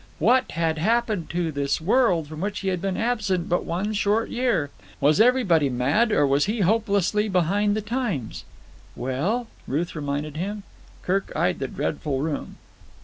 What had happened to this world from which he had been absent but one short year? Was everybody mad, or was he hopelessly behind the times? "Well?" Ruth reminded him. Kirk eyed the dreadful room.